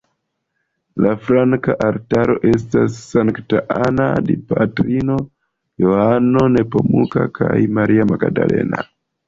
La flankaj altaroj estas Sankta Anna, Dipatrino, Johano Nepomuka kaj Maria Magdalena.